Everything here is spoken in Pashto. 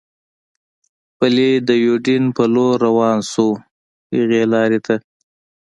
پلي د یوډین په لور روان شو، هغې لارې ته.